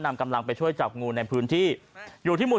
นำกำลังไปช่วยจับงูในพื้นที่อยู่ที่หมู่